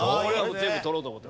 全部取ろうと思ってます。